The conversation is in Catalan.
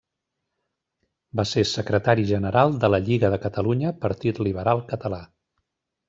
Va ser Secretari General de la Lliga de Catalunya-Partit Liberal Català.